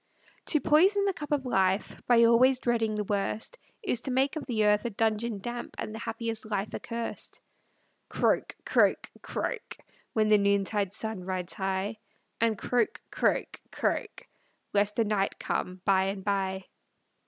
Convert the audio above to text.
To poison the cup of life, By always dreading the worst. Is to make of the earth a dungeon damp, And the happiest life accursed. Croak, croak, croak, When the noontide sun rides high, And croak, croak, croak, Lest the night come by and by.